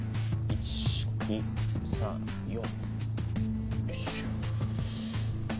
１２３４。